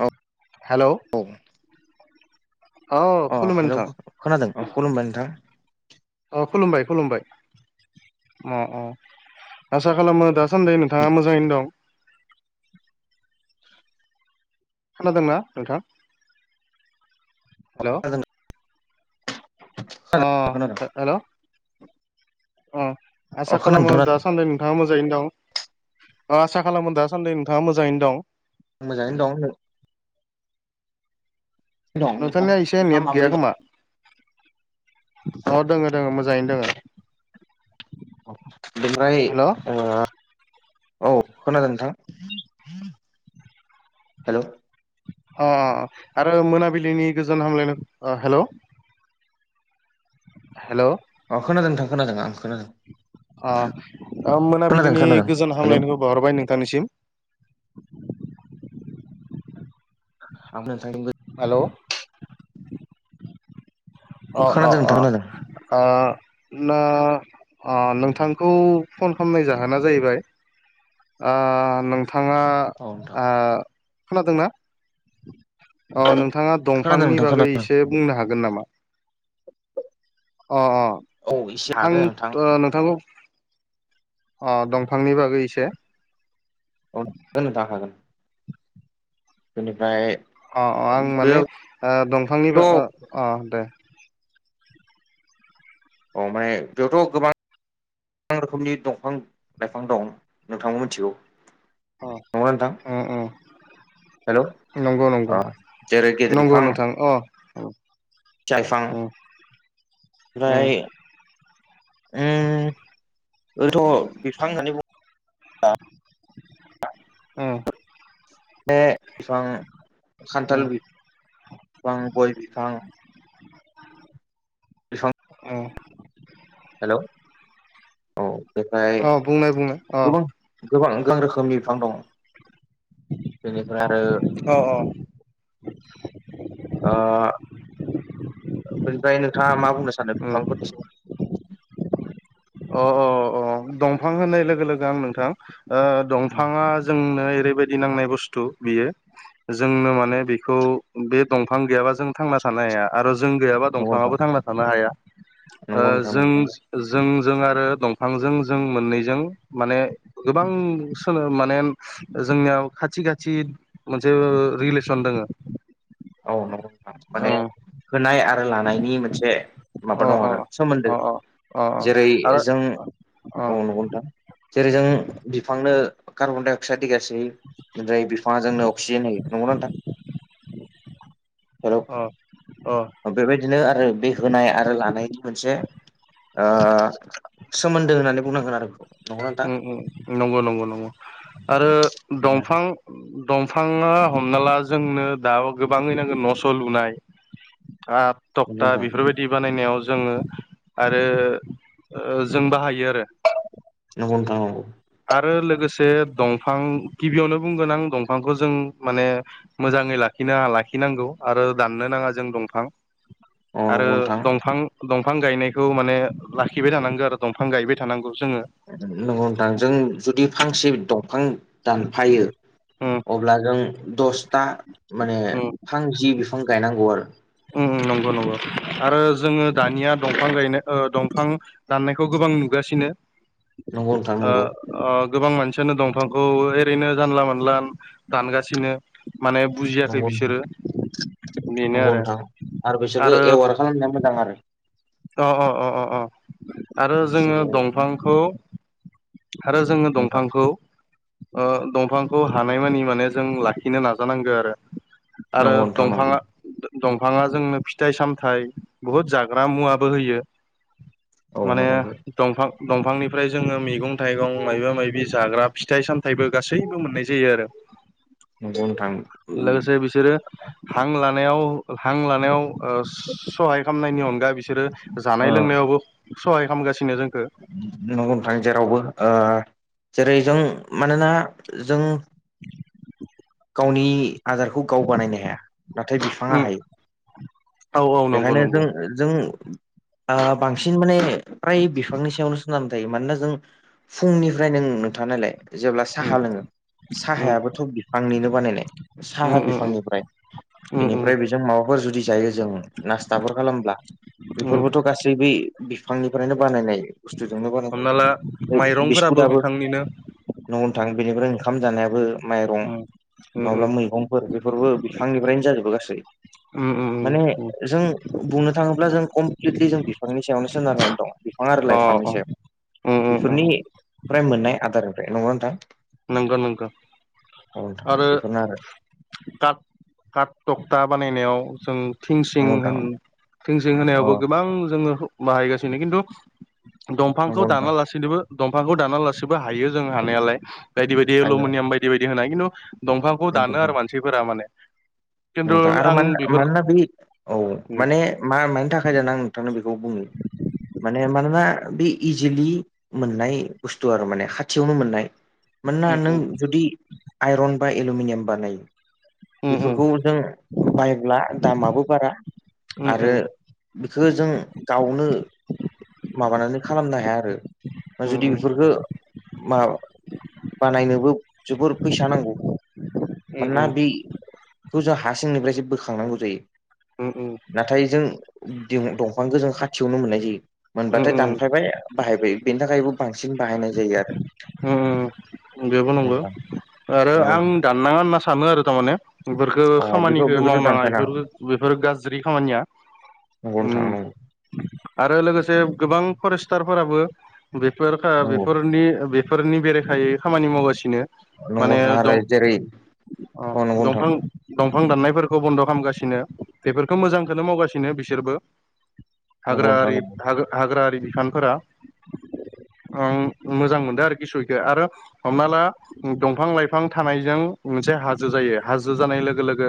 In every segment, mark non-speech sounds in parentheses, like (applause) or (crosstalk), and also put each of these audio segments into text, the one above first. औ हेल' औ अ खुलुमबाय हेल' नोंथां खोनादों औ खुलुमबाय नोंथां अ खुलुमबाय खुलुमबाय अ अ आसा खालामो द सासान्दिै नोंथा मोजाङनो दं खोनादोंना नोंथां हेल' खोनादों अ खोनादों खोनादों हेल' अ अ आसा खोनादों खालामो खोनादों दा सान्दै नोंथाङा मोजाङैनो दं आसा खालामो दाासान्दि नोंथाङा मोजाङैनो दं मोजाङैनो दं नोंथां नोंथांनिया एसे नोंथाङा नेट माबोरै गैया दं? खोमा अ दोङो दोङो मोजाङैनो दोङो बिमफ्राय हेलौ औ खोनादों नोंथां हेल' अ अ अ आरो मोनाबिलिनि गोजोन हामलायनाय हेल'? हेल'? अ खोनादों नोंथां खोनादों आं खोनादों खोनादों मोनाबिलिनि खोनादों गोजान हेलौ हामलायनायखौ बहरबाय नोंथांनिसिम आ थ (unintelligible) हेल' अ अ खोनादों नोंथां खोनादों अ औ नोंथांखौ फन खालामनाय जाहोना जाहैबाय नोंथांङा नोंथां खोनादोंना? अ नोंथांङा खोनादों दंफांनि नोंथां बागै खोनादों एसे बुंनो हागोन नामा? अ अ औ एसे हागोन नोंथां आं नोंथांखौ अ दंफांनि बागै इसे औ नोंथां हागोन। बेनिफ्राय अ-अ आं माने बेयावथ' ओ दंफांनिबो ओ अ दे अ माने बेयावथ' गोबां- गोबां रोखोमनि दंफां लाइफां दं नोंथां मिथिगौ नंङा नोंथा। ओ ओ हेल' जेरै गेदेर नंगौ बिफांङा नोंथां अ उम सालफां उम ओमफ्राय ओथ' बिफां होननानै बुंङ उम बे एसेबां उम खान्थाल बिफ बिफां गय बिफां बे औव हेल' औ बेफ्राय अ बुंनाय बुंनाय अ गोबां गोबां गोबां रोखोमनि बिफां दं बेनिफ्राय आरो अ अ आ बेनिफ्राय नोंथांङा मा बुंनो सानो? उम बिफांफोरनि सोमोन्दै अ अ अ दंफां होननाय लोगो लोगो आं नोंथां दंफांङा जोंनो ओरैबायदि नांनाय बुस्थु बियो जोंनो माने बेखौ बे दंफां गैयाबा जों थांना थानो हाया आरो जों गैयाबा नंगौ नोंथां दंफाङाबो थांना थानो हाया। नंगौ नोंथां जों नंगौ जों जों आरो दंफांजों जों मोननैजों माने गोबां सोनो माने, जोंनियाव खाथि-खाथि मोनसे रिलेसन दंङो। औ नंगौ, माने होनाय आरो लानायनि मोनसे माबा अ दङ, अ आरो सोमोन्दो अ अ जेरै- आरो जों अ औ नंगो नोंथां। जेरै जों बिफांनो कार्बन दडाइ अक्साइड होगासिनो (unintelligible) जाय बिफाङा जोंनो अक्सिजेन होयो नंगौना नोंथां? हेल' अ-अ बेबायदिनो आरो बे होनाय आरो लानायनि मोनसे, ओ सोमोन्दो होननानै बुंनांगोन आरो बेखौ, नंगौ नोंथां ओम -ओम, नंगौ-नंगौ-नंगौ। आरो दंफां दंफांङा हमना ला जोंनो दा गोबांङै नांगोन न'स' लुनाय, आ नंगौ थकथा नोंथां बेफोरबायदि बानायनायाव जोंङो आरो जों बाहायो आरो। नंगौ नोंथां औव आरो लोगोसे दंफां गिबियावनो बुंगोन आं दंफांखौ जों माने मोजांङै लाखिनाङा लाखिनांगौ आरो दाननो नाङा जों दंफां। औ आरो नंगौ नोंथां दंफां दंफां गायनायखौ माने लाखिबाय थानांगौ आरो दंफां गायबाय थानांगौ जोंङो। नंगौ नोंथां जुदि जों फांसे दंफां दानफायो उम अब्ला जों दसथा माने फांजि बिफां गायनांगौ आरो ओम ओम नंगौ-नंगौ आरो जोंङो दानिया दंफां गायनो ओ दंफां दाननायखौ गोबां नुगासिनो नंगौ नोंथां ओ नंगौ ओ गोबां मानसियानो दंफांखौ ओरैनो जानला-मोनानला दानगासिनो माने बुजियाखै नंगौ नोंथां बिसोरो बेनो नंगौ आरो नोंथां आरो बिसोरखौ एवार खालामनाया मोजां आरो अ -अ-अ-अ आरो जोंङो बिसोरखौ दंफांखौ आरो जोंनो नोंथां दंफांखौ दंफांखौ हानायमानि माने जों लाखिनो नाजानांगो आरो आरो नंगौ नोंथां नंगौ दंफाङा दंफाङा जोंनो फिथाइ-सामथाइ, बुहुत जाग्रा मुवाबो होयो। औ माने नंगौ दंफां-दंफांनिफ्राय जोंङो मैगं-थाइगं माय बा-मायबि जाग्रा फिथाइ-सामथाइबो गासैबो मोननाय जायो आरो नंगौ नोंथां लोगोसे बिसोरो हां लानायाव-हां लानायाव ओ सहाय खालामनायनि अनगा बिसोरो जानाय ओ लोंनायावबो सहाय खालामगासिनो जोंखौ न बां जेरावबो जेरै जों मानोना जों गावनि आदारखौ गाव बानायनो हाया। नाथाय बिफाङा उम हायो। औ औ नंगौ बेखायनो नंगौ जों-जों ओ बांसिन माने फ्राय बिफांनि सायावनो सोनारो जायो मानोना जों फुंनिफ्राय नों नोंथाङा नायलाय जेब्ला साहा उम लोङो उम साहायाबो थ' बियो निनो बानायनाय सा उम उम बिफाननिफ्राय उम बेनिफ्राय जों माबाफोर जुदि जायो जों नासथाफोर खालामब्ला उम बेफोरबोथ' गासैबो बिफांनिफ्रायनो बानायनाय। बुस्थ जोंनो हमना ला बानाय, बिस्कुट माइरंफोराबो आबो बिफांनिनो न नोंथां। बेनिफ्राय ओंखाम जानायाबो माइरं उम ब्ला उम मैगंफोर बेफोरबो बिफांनिफ्रायनो जाजोबो गासै उम उम, माने उम उम जों बुंनो थाङोब्ला जों कमप्लिटलि जों बिफांनि सायावनो सोनारनानै दं। बिफां आरो अ लाइफांनि अ सायाव उम बेफोरनि उम उम फ्राय मोननाय आदारनिफ्राय नंगना नोंथां? नंगौ नंथां औ नोंथां आरो बेफोरनो आरो काट काट क्ता बानायनायाव जों थिंसिं नंगौ नोंथां होन थिंसिं अ होनायावबो गोबां जोंङो बाहायगासिनो खिन्थु दंफांखौ नंगौ दाना नोंथां लासेनोबो दंफांखौ दानालासेबो हायो जों हानायालाय। बायदि-बायदि हायो एलमिनियाम बायदि-बायदि होनाय खिन्थु दंफांखौ नंगौ दानो नोंथां आरो मानसिफोरा माने खिन्थु नोंथां आरो आं मानो बेफोरखौ मानोना बे औ माने मा मानि थाखाय दा आं नोंथांनो बेखौ बुंनि। माने मानोना बि इजिलि मोननाय बुस्थु आरो माने खाथियावनो मोननाय। मानोना उम नों जुदि आइरन बा एलमिनियाम बानायो। उ उ बेफोरखौ जों बायब्ला दामाबो बारा उम आरो उम बिखो जों गावनो माबानानै खालामनो हाया आरो उम जुदि बेफोरखौ मा बानायनोबो जोबोर फैसा नांगौ उम उम मानोना उम बे बेखौ जों हा सिंनिफ्रायसो बोखांनांगौ जायो उ उ नाथाय जों दंफांखौ जों खाथियावनो मोननाय जायो मोनबाथाय उम दान उम (unintelligible) बाहायबाय बेनि थाखायबो बांसिन बाहायनाय जायो आरो बेबो नंगौ नोंथां आरो नंगौ आं दाननाङा होनना सानो आरो थारमाने बेफोरखौ अ बेखौ खामानिखौ बेखौथ' मावनाङा दानफायनाङा बेफोर बेफोर गाज्रि खामानिया नंगौ नोंथां उम नांगौ आरो लोगोसे गोबां फरेस्टारफोराबो बेफोर ओ नंगौ बेफोरनि फोरनि बेरेखायै खामानि मावगासिनो नंगौ माने नंगौ नोंथां आरो दं जेरै अ नंगौ नोंथां दंफां दंफां दाननायफोरखौ बन्द' खालामगासिनो बेफोरखौ मोजांखौनो मावगासिनो बिसोरबो नंगौ हाग्रा नोंथां नंगौ हाग्राारि बिफानफोरा आं मोजां मोनदों आरोखि (unintelligible) हमना ला दंफां लाइफां थानायजों मोनसे हाजो जायो हाजो जानाय लोगो लोगो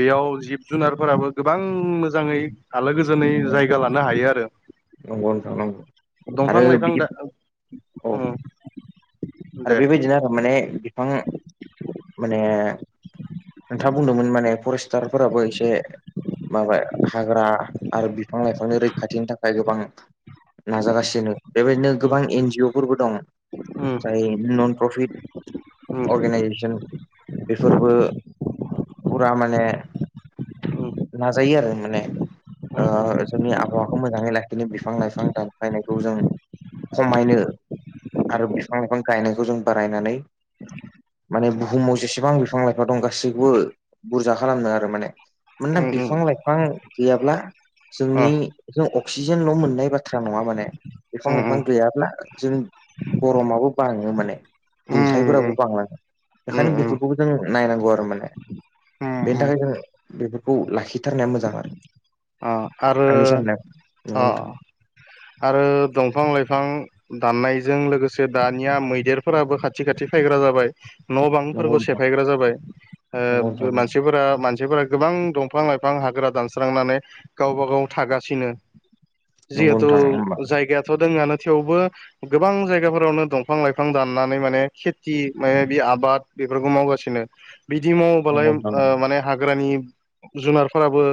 बेयाव जिब जुनारफोराबो गोबां मोजाङै आलो गोजोनै नंगौ जायगा लानो हायो आरो नंगौ नोंथां नंगौ दंफां आरो लाइफां बिदि दा औ उ आरो बेबोदि आरो माने बिफां माने नोंथाङा बुंदोंमोन माने फरिस्टारफोराबो एसे माबा हाग्रा आरो बिफां लाइफांनि रैखाथिनि थाखाय गोबां नाजागासिनो बेबायदिनो उम गोबां एन जिअ फोरबो दं उम जाय नन प्रफिट उम उम अर्गेनाइजेसन बेफोरबो फुरा माने नाजायो आरो माने ओ उम जोंनि आबहावाखौ मोजाङै लाखिनो बिफां लाइफां दानफायनाय खौ जों खमायनो आरो बिफां लाइफां गायनायखौ जों बारायनानै माने बुहुमाव जेसेबां बिफां लाइफां दं गासैखौबो बुरजा खालामदों आरो माने मानोना उम उम उम बिफां लाइफां गैयाब्ला जोंनि जों अक्सिजेनल' मोननाय बाथ्रा नङा माने बिफां उम लाइफां गैयाब्ला जों खमाबो बाङो माने उम उम दुंथायफोराबो बांलाङो उम बेखायनो बेफोरखौबो जों नायनांगौ आरो माने उम बेनि उम थाखाय जोङो बेफोरखौ लाखिथारनाया मोजां आरो अ आरो आंनि साननायाव अ नंगौ आरो दंफां लाइफां दाननायजों लोगोसे दानिया मैदेरफोराबो खाथि खाथि फायग्रा जाबाय न' बांफोरखौ नोंथां सेफायग्रा जाबाय नंगौ नोंथां ओ मानसिफोरा मानसिफोरा गोबां दंफां लाइफां हाग्रा दानस्रांनानै गावबा गाव थागासिनो नंगौ नोंथां नंगौ जिहेथु नोंथां होमबा जायगायाथ' दङङानो थेवबो गोबां जायगाफोरावनो दंफां लाइफां दाननानै माने खेथि माने बे आबाद बेफोरखौ मावगासिनो बिदि मावोबालाय नंगौ नोंथां ओ माने हाग्रानि जुनारफोराबो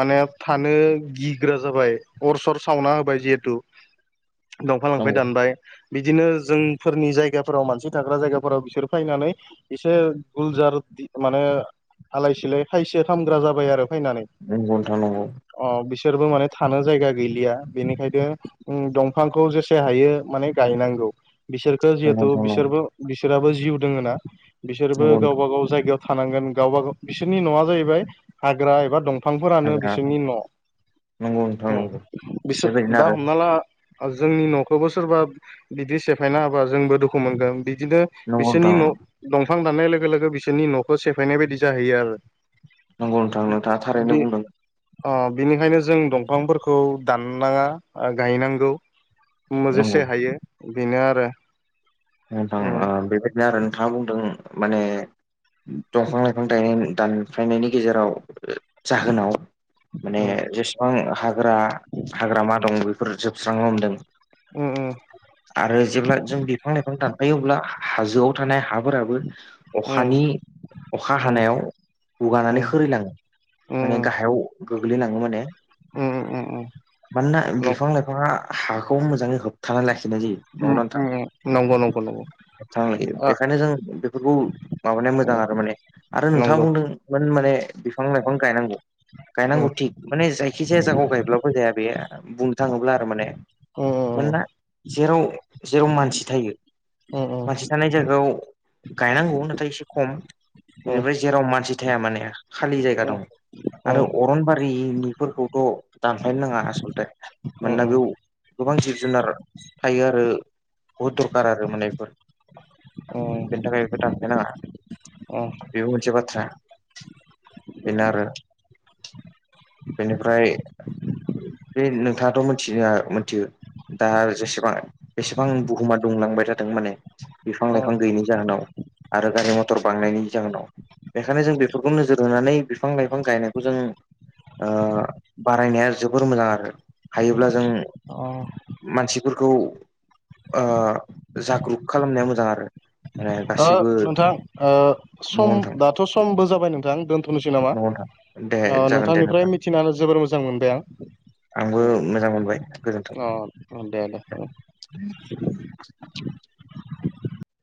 माने थानो गिग्रा जाबाय अर सर सावना होबाय जिहेथु दंफां नंगौ लाइफाय दानबाय बिदिनो जोंफोरनि जायगाफोराव मानसि थाग्रा जायगाफोराव बिसोर फैनानै एसे गुलजार माने हलाय सिलाय खायससो खामग्रा जाबाय आरो फैनानै (unintelligible) घन्टा नांगौ अ बिसोरबो माने थानो जायगा गैलिया बेनिखायनो दंफांखौ जेसे हायो माने गायनांगौ बिसोर (unintelligible) नंगौ जिहेथु नोंथां नंगौ बिसोरबो बिसोराबो जिउ दोङ ना बिसोरबो नंगौ नोंथां गावबा गाव जायगायाव थानांगोन गावबा गाव बिसोरनि न'आ जाहैबाय हाग्रा एबा दंफांफोरानो हाग्रा बिस जोंनि नंगौ नोंथां न' नंगौ बिसोर बेबायदिनो दा आरो हमना ला जोंनि न'खौबो सोरबा बिदि सेफायना होबा जोंबो दुखु मोनगोन बिदिनो नंगौ नोंथां बिसोरनि न' दंफां दाननाय लोगो लोगो बिसोरनि न'खौ सेफायनाय बायदि जाहैयो आरो। नंगौ नोंथां नोंथाङा बे थारैनो बुंदों। अ बिनिखायनो जों दंफांफोरखौ दाननाङा गायनांगौ। नंगौ मोजेसे हायो बेनो आरो। नोंथां उम बेबायदिनो आरो नोंथाङा बुंदों माने दंफां लाइफां गायनाय दानफायनायनि गेजेराव जाहोनाव। माने उम जेसेबां हाग्रा हाग्रामा दं बेफोर जोबस्रांनो हमदों। उम आरो जेब्ला जों बे इफां दानफायो अब्ला हाजोआव थानाय हाफोराबो उम अखानि अखा उम हानायाव गुगानानै उम उम खोरैलाङो उम माने गाहायाव गोग्लैलाङो माने। उम उम मानोना बिफां लाइफाङा हाखौ मोजाङै होबथानानै लाखिनाय जायो। उ नंगौ नंगौ नंगौ। हथानां लायो ओ बेखायनो जों बेफोरखौ माबानाया मोजां आरो माने आरो नोंथाङा नंगौ बुंदों। माने बिफां लाइफां गायनांगौ उम गायनांगौ थिग माने जाय खिजाया जागायाव गायब्लाबो जाया बेयो बुंनो थाङोब्ला आरो माने। उम। मानोना जेराव जेराव मानसि थायो उम उम मानसि थानाय जायगायाव गायनांगौ नाथाय एसे खम उम बेनिफ्राय जेराव मानसि थाया माने खालि जायगा दं। आरो अरनबारिनिफोरखौथ' दानफायनो नाङा आसलथे। उम मानोना उम बेयाव गोबां जिब जुनार थायो आरो बहुद दरखार आरो माने बेफोर। बेनि थाखाय बेबो दानफायनाङा बेबो मोनसे बाथ्रा। बेनो आरो बेनिफ्राय बे नोंथाङाथ' मिथिनो मिथियो दा जेसेबां बेसेबां बुहुमा दुंलांबाय थादों माने बिफां उम लाइफां गैयैनि। जाहोनाव आरो गारि मथर बांनायनि जाहोनाव बेखायनो जों बेफोरखौ नोजोर होनानै बिफां लाइफां गायनायखौ जों बारायनाया जोबोर मोजां आरो हायोब्ला जों अ। मानसिफोरखौ जाग्रुप खालामनाया मोजां आरो। माने गासिबो नोंथां नंगौ सम नोंथां दाथ' समबो जाबाय नोंथां दोनथ'नोसै नामा। नंगौ नोंथां दे जागोन दे नोंथां नोंथांनिफ्राय मिथिनानै जोबोर मोजां मोनबाय आं। आंबो मोजां मोनबाय गोजोन्थों। अ दे दे उम। (unintelligible)